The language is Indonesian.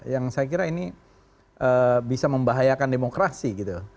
yang saya kira ini bisa membahayakan demokrasi gitu